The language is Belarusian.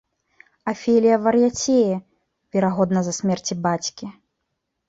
Афелія вар'яцее, верагодна з-за смерці бацькі.